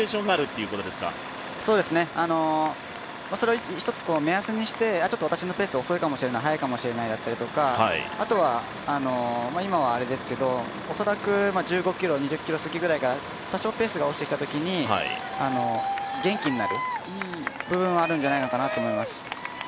そうですね一つ目安にして、私のペースはやいかもしれないだったりとか今はあれですけど、恐らく１５ｋｍ、２０ｋｍすぎくらいから多少、ペースが落ちてきたときに元気になる部分はあるんじゃないかなと思います。